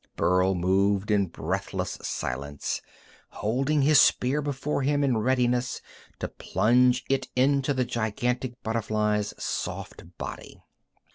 Burl moved in breathless silence, holding his spear before him in readiness to plunge it into the gigantic butterfly's soft body.